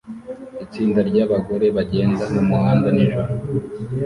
Itsinda ryabagore bagenda mumuhanda nijoro